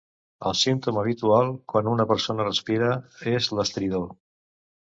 El símptoma habitual quan una persona respira és l"estridor.